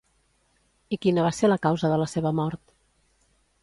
I quina va ser la causa de la seva mort?